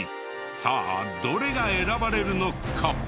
さあどれが選ばれるのか？